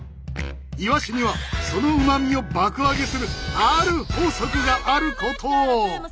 イワシにはそのうまみを爆上げするある法則があることを！